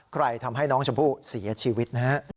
ทำให้น้องชมพู่เสียชีวิตนะฮะ